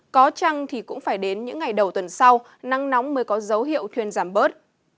có trăng thì cũng phải đến những ngày đầu tuần sau nắng nóng mới có dấu hiệu thuyên giảm bớt